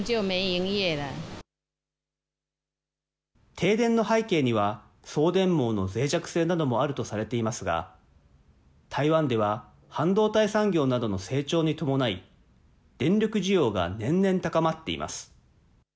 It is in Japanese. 停電の背景には、送電網のぜい弱性などもあるとされていますが、台湾では半導体産業などの成長に伴い、電力需要が年々高まっています。